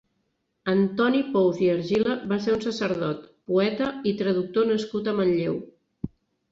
Antoni Pous i Argila va ser un sacerdot, poeta i traductor nascut a Manlleu.